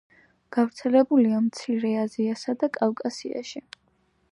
გავრცელებულია მცირე აზიასა და კავკასიაში.